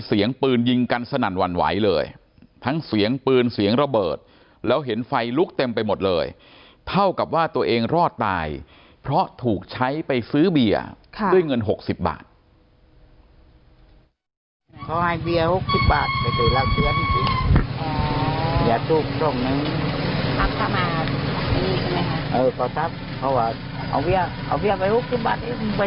เสียงปืนยิงกันสนั่นหวั่นไหวเลยทั้งเสียงปืนเสียงระเบิดแล้วเห็นไฟลุกเต็มไปหมดเลยเท่ากับว่าตัวเองรอดตายเพราะถูกใช้ไปซื้อเบียร์ด้วยเงิน๖๐บาท